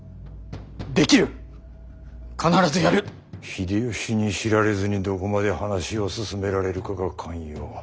秀吉に知られずにどこまで話を進められるかが肝要。